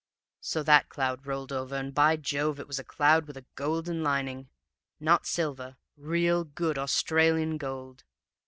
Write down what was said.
"So that cloud rolled over, and by Jove it was a cloud with a golden lining. Not silver real good Australian gold!